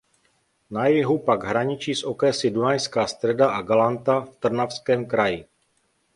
Na jihu pak hraničí s okresy Dunajská Streda a Galanta v Trnavském kraji.